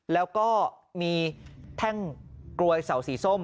แล้วก็มีแท่งกลวยเสาสีส้ม